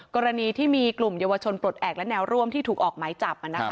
กรณีที่มีกลุ่มเยาวชนปลดแอบและแนวร่วมที่ถูกออกหมายจับ